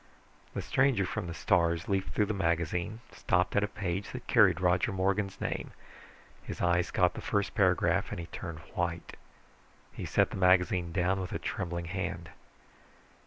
The stranger from the stars leafed through the magazine, stopped at a page that carried Roger Morgan's name. His eyes caught the first paragraph and he turned white. He set the magazine down with a trembling hand.